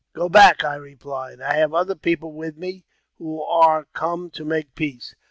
" Go back," I replied; " I have other people with me, who are come to make peace."